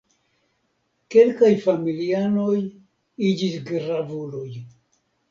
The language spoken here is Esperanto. Kelkaj familianoj iĝis gravuloj.